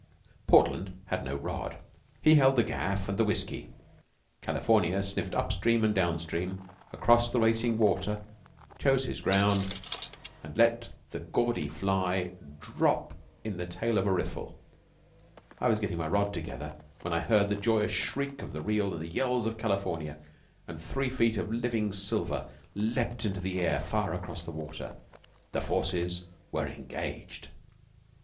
Portland had no rod. He held the gaff and the whiskey. California sniffed up stream and down stream, across the racing water, chose his ground, and let the gaudy fly drop in the tail of a riffle. I was getting my rod together, when I heard the joyous shriek of the reel and the yells of California, and three feet of living silver leaped into the air far across the water. The forces were engaged.